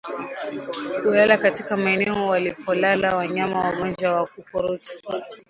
Kulala katika maeneo walipolala wanyama wagonjwa wa ukurutu